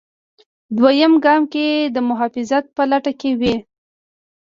دویم ګام کې د محافظت په لټه کې وي.